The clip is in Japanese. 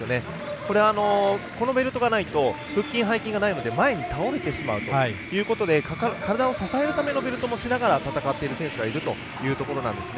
これは、このベルトがないと腹筋、背筋がないので前に倒れてしまうということで体を支えるためのベルトもしながら戦っている選手がいるというところなんですね。